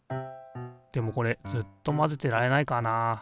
でもこれずっと混ぜてられないからな。